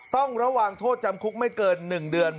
ต้องระวังโทษจำคุกไม่เกิน๑เดือน